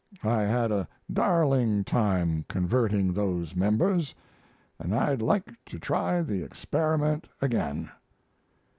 I had a darling time converting those members, and I'd like to try the experiment again."